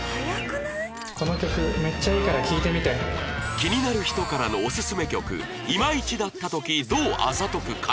気になる人からのオススメ曲いまいちだった時どうあざとく返す？